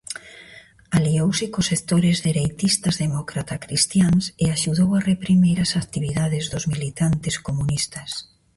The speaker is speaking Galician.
Aliouse cos sectores dereitistas demócrata-cristiáns e axudou a reprimir as actividades dos militantes comunistas.